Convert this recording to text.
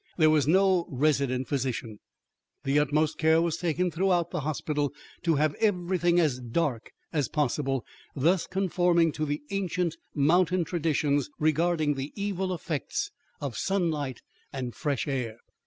There was no resident physician. The utmost care was taken throughout the hospital to have everything as dark as possible, thus conforming to the ancient mountain traditions regarding the evil effects of sunlight and fresh air.